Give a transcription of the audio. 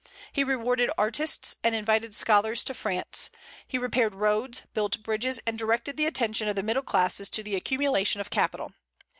He rewarded artists and invited scholars to France; he repaired roads, built bridges, and directed the attention of the middle classes to the accumulation of capital.